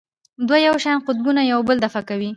دوه یو شان قطبونه یو بل دفع کوي.